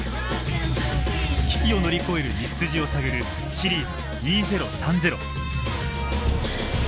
危機を乗り越える道筋を探る「シリーズ２０３０」。